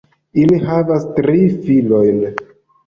Ili havas tri filojn.